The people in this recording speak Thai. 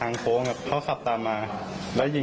มันเร่งมาหาเราไหม